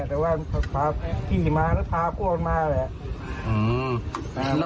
แต่ว่าพาพี่มาแล้วพาพวกมาแหละ